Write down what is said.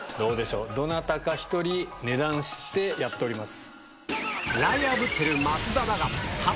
どなたか１人値段知ってやっております。